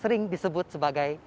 meskipun musuh punya sisi lurus